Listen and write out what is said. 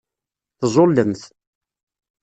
Teẓẓullemt.